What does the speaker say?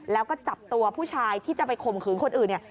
แล้วก็จับตัวผู้ชายที่จะไปข่มขืนคนอื่นเนี่ย